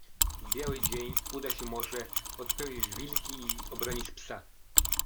w biały dzień uda się może odpędzić wilki i obronić psa.